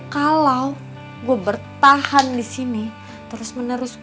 kalau gue bertahan disini terus menerima duit kagak